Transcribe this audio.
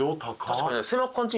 確かに。